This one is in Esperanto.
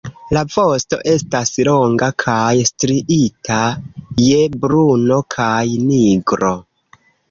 La vosto estas longa kaj striita je bruno kaj nigro.